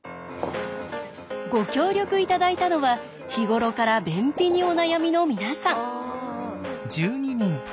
ご協力いただいたのは日頃から便秘にお悩みの皆さん。